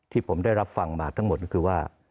ที่ผมได้รับฟังมาทั้งหมดก็คือว่า